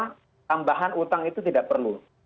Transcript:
karena tambahan utang itu tidak perlu